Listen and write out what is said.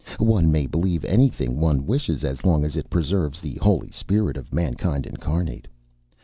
One may believe anything one wishes, as long as it preserves the holy spirit of Mankind Incarnate.